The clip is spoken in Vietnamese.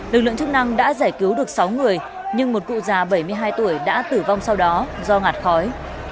lực lượng chức năng đã giải cứu được sáu người nhưng một cụ già bảy mươi hai tuổi đã tử vong sau đó do ngạt khói